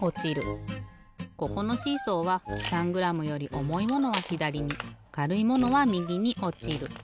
ここのシーソーは３グラムより重いものはひだりにかるいものはみぎにおちる。